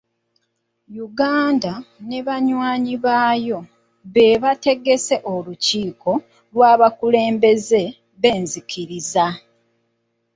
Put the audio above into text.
Uganda ne banywanyi baayo be bategese olukiiko lw’abakulembeze b’enzikiriza.